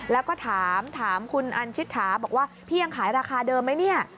แล้วก็ถามถามคุณอันชิดถาบอกว่าพี่ยังขายราคาเดิมไหมเนี่ย